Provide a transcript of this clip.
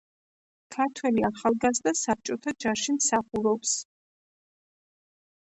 ქართველი ახალგაზრდა საბჭოთა ჯარში მსახურობს.